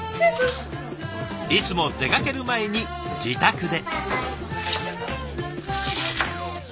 いつも出かける前に自宅で。